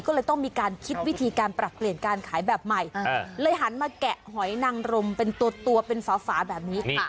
ก็เลยต้องมีการคิดวิธีการปรับเปลี่ยนการขายแบบใหม่เลยหันมาแกะหอยนังรมเป็นตัวเป็นฝาแบบนี้